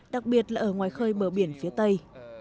đặc biệt là ở ngoài khơi bờ biển phía tây